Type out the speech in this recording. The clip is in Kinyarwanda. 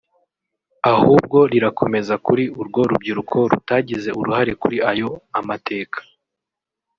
ahubwo rirakomeza kuri urwo rubyiruko rutagize uruhare kuri ayo amateka